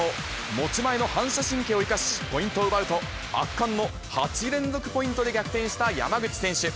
持ち前の反射神経を生かし、ポイントを奪うと、圧巻の８連続ポイントで逆転した山口選手。